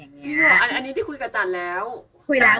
อันนี้พี่คุยกับจันแล้ว